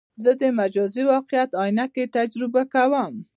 زه د مجازي واقعیت عینکې تجربه کوم.